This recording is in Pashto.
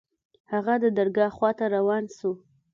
هغه د درګاه خوا ته روان سو.